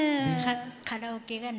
カラオケがね